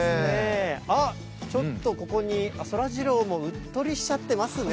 あっ、ちょっとここに、そらジローもうっとりしちゃってますね。